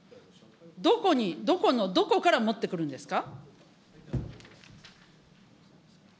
どこに、どこの、どこから持ってくるんですか。